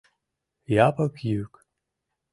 Япык йӱк.